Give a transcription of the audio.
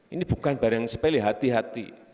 ini bukan barang sepele hati hati